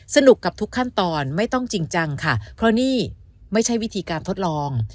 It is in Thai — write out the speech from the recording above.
สนุกกับทุกขั้นตอนไม่ต้องจริงจังค่ะเพราะนี่ไม่ใช่วิธีการทดลอง